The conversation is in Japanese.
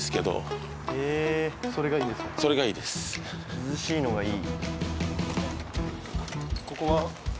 涼しいのがいい。